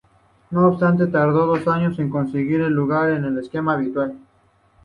No obstante, tardó dos años en conseguir un lugar en el esquema habitual.